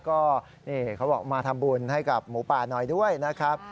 ก็นี่เขาบอกมาทำบุญให้กับหมูป่าหน่อยด้วยนะครับ